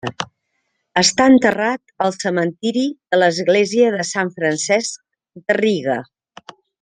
Està enterrat al cementiri de l'església de Sant Francesc de Riga.